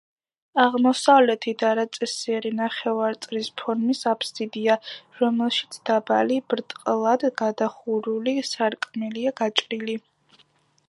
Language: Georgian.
აღმოსავლეთით არაწესიერი ნახევარწრის ფორმის აფსიდია, რომელშიც დაბალი, ბრტყლად გადახურული სარკმელია გაჭრილი.